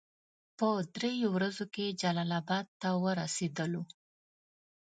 په دریو ورځو کې جلال اباد ته ورسېدلو.